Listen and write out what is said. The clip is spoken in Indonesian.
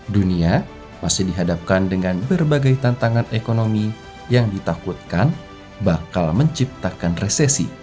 dunia masih dihadapkan dengan berbagai tantangan ekonomi yang ditakutkan bakal menciptakan resesi